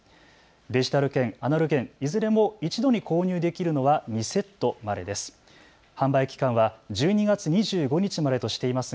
デジタル券、アナログ券、いずれも一度に購入できるのは２セットまでです。